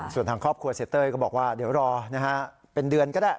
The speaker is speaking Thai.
ส่วนทางครอบครัวเสียเต้ยก็บอกว่าเดี๋ยวรอเป็นเดือนก็ได้